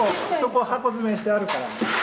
そこ箱詰めしてあるから。